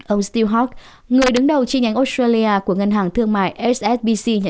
ông steve hawke người đứng đầu chi nhánh australia của ngân hàng thương mại hsbc nhắn